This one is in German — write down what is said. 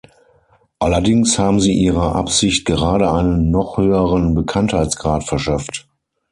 Allerdings haben Sie Ihrer Absicht gerade einen noch höheren Bekanntheitsgrad verschafft.